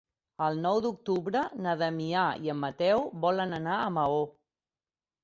El nou d'octubre na Damià i en Mateu volen anar a Maó.